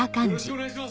お願いします。